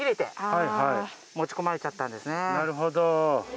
なるほど。